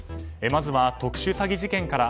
まずは特殊詐欺事件から。